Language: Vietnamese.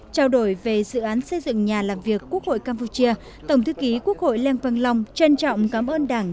trao đổi về dự án xây dựng nhà làm việc quốc hội campuchia tổng thư ký quốc hội lê văn long trân trọng cảm ơn đảng